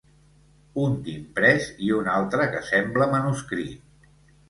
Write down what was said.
Un d'imprès i un altre que sembla manuscrit.